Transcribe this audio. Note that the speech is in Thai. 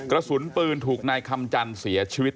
เหมือนปืนถูกนายคำจันเสียชีวิต